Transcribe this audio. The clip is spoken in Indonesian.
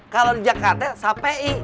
kalau di jakarta safi'i